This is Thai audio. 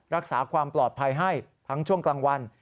รักษาความปลอดภัยให้ทั้งช่วงกลางวัน